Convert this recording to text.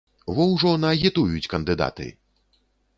Во ўжо наагітуюць кандыдаты!